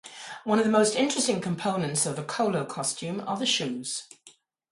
One of the most interesting components of the kolo costume are the shoes.